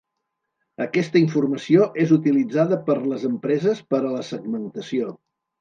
Aquesta informació és utilitzada per les empreses per a la segmentació.